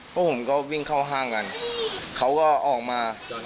พวกผมก็วิ่งเข้าห้างกันเขาก็ออกมา